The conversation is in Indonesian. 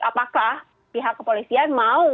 apakah pihak kepolisian mau